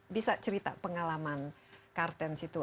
bisa cerita pengalaman kartens itu